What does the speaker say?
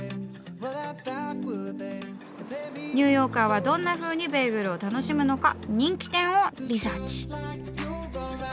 ニューヨーカーはどんなふうにベーグルを楽しむのか人気店をリサーチ。